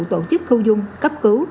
tổ chức thu dung cấp cứu